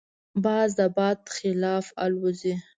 باز د باد خلاف الوزي